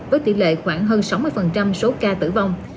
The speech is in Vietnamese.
với tỷ lệ khoảng hơn sáu mươi số ca tử vong